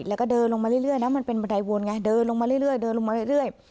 แล้วก็เดินลงมาเรื่อยนะมันเป็นบันไดวนไงเดินลงมาเรื่อย